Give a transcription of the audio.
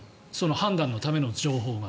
判断のための情報が。